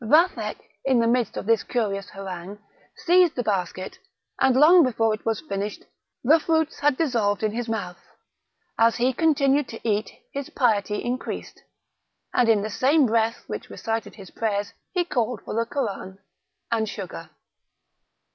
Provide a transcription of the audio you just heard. Vathek in the midst of this curious harangue, seized the basket, and long before it was finished the fruits had dissolved in his mouth; as he continued to eat his piety increased, and in the same breath which recited his prayers he called for the Koran and sugar.